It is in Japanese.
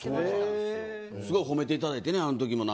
すごい褒めていただいてねあのときも。